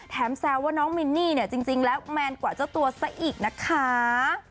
แซวว่าน้องมินนี่เนี่ยจริงแล้วแมนกว่าเจ้าตัวซะอีกนะคะ